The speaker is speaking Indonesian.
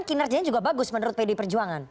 kinerjanya juga bagus menurut pd perjuangan